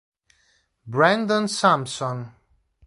Brandon Sampson